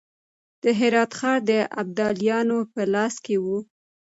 د هرات ښار د ابدالیانو په لاس کې و.